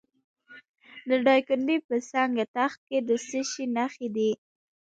د دایکنډي په سنګ تخت کې د څه شي نښې دي؟